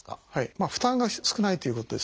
負担が少ないということですね。